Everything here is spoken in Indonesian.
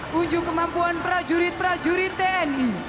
kunjung kemampuan prajurit prajurit tni